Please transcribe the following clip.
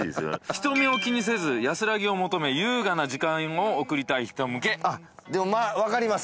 人目を気にせず安らぎを求め優雅な時間を送りたい人向けでもまあ分かります